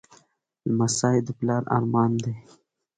لمسی د پلار ارمان دی.